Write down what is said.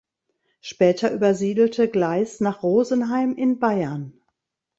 Später übersiedelte Gleiss nach Rosenheim in Bayern.